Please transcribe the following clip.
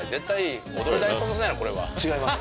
違います。